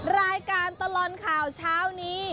รายการตลอดข่าวเช้านี้